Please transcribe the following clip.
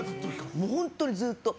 本当にずっと。